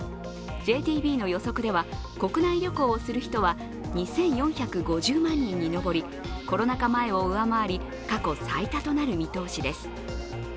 ＪＴＢの予測では、国内旅行をする人は２４５０万人に上りコロナ禍前を上回り過去最多となる見通しです。